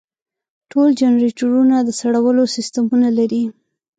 ټول جنریټرونه د سړولو سیستمونه لري.